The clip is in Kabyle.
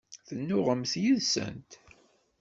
Tennuɣemt yid-sent?